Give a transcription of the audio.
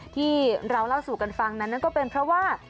ที่เราเล่าสู่กันฟังนั้นนั่นก็เป็นเพราะว่า